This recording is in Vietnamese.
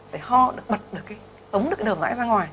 phải ho được bật được tống được cái đường dạy ra ngoài